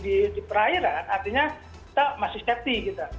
ditambah lagi perairan artinya kita masih happy